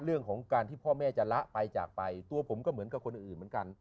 เรื่องของการที่พ่อแม่จะละไปจากไปตัวผมก็เหมือนกับคนอื่นเหมือนกัน